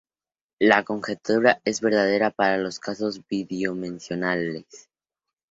La conjetura es verdadera para los casos bidimensionales.